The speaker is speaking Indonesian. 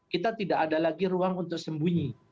kita tidak ada lagi ruang untuk sembunyi